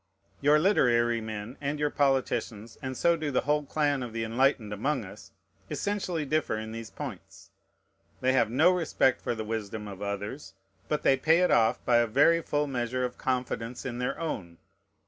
Your literary men, and your politicians, and so do the whole clan of the enlightened among us, essentially differ in these points. They have no respect for the wisdom of others; but they pay it off by a very full measure of confidence in their own.